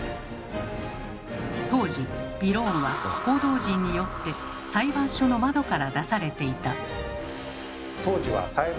当時びろーんは報道陣によって裁判所の窓から出されていた。